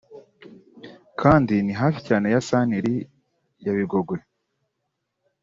kandi ni hafi cyane ya santire ya Bigogwe